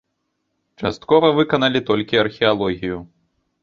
Часткова выканалі толькі археалогію.